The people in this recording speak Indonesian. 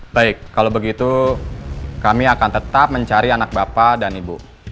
baik kalau begitu kami akan tetap mencari anak bapak dan ibu